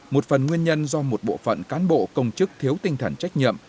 một phần nguyên nhân do một bộ phận cán bộ công chức thiếu tinh thần trách nhiệm